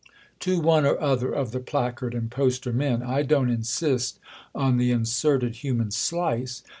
"To one or other of the placard and poster men—I don't insist on the inserted human slice!